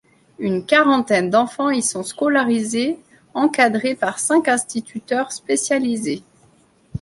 Une quarantaine d'enfants y sont scolarisés, encadrés par cinq instituteurs spécialisés.